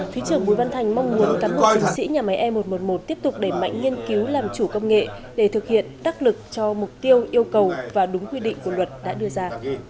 thứ trưởng bùi văn thành mong muốn cán bộ chiến sĩ nhà máy e một trăm một mươi một tiếp tục đẩy mạnh nghiên cứu làm chủ công nghệ để thực hiện đắc lực cho mục tiêu yêu cầu và đúng quy định của luật đã đưa ra